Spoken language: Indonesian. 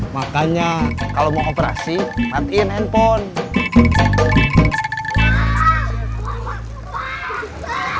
makanya kalau mau operasi matiin handphone